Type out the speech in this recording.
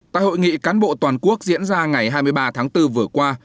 tại hội nghị cán bộ toàn quốc diễn ra ngày hai mươi ba tháng bốn vừa qua